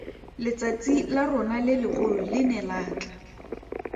Letsatsi la rona le legolo le ne la tla.